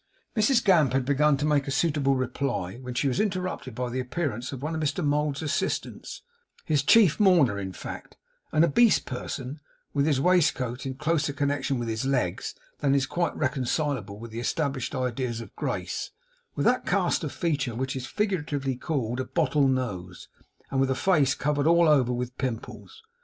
Mrs Gamp had begun to make a suitable reply, when she was interrupted by the appearance of one of Mr Mould's assistants his chief mourner in fact an obese person, with his waistcoat in closer connection with his legs than is quite reconcilable with the established ideas of grace; with that cast of feature which is figuratively called a bottle nose; and with a face covered all over with pimples.